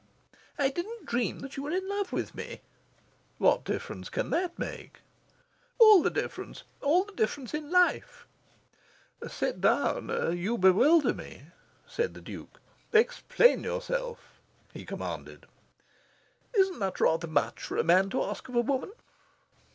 "I didn't dream that you were in love with me." "What difference can that make?" "All the difference! All the difference in life!" "Sit down! You bewilder me," said the Duke. "Explain yourself!" he commanded. "Isn't that rather much for a man to ask of a woman?"